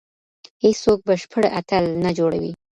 هیڅوک بشپړ اتل نه جوړوي.